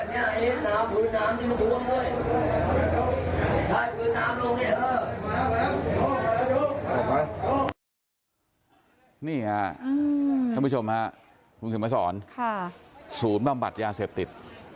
นี่คุณผู้ชมครับคุณผู้ชมมาสอนศูนย์บำบัดยาเสพติด